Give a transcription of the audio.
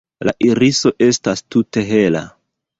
La iriso estas tute hela.